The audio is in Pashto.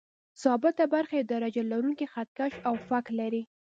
ثابته برخه یې یو درجه لرونکی خط کش او فک لري.